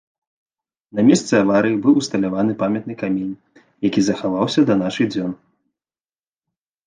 На месцы аварыі быў усталяваны памятны камень, які захаваўся да нашых дзён.